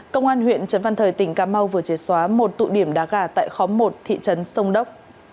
công an huyện trấn văn thời tỉnh cà mau vừa chế xóa một tụ điểm đá gà tại khóm một thị trấn sông đốc